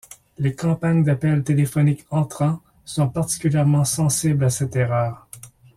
Les campagnes d'appels téléphoniques entrants sont particulièrement sensibles à cette erreur.